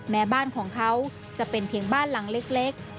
บ้านของเขาจะเป็นเพียงบ้านหลังเล็ก